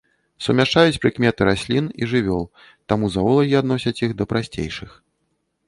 Сумяшчаюць прыкметы раслін і жывёл, таму заолагі адносяць іх да прасцейшых.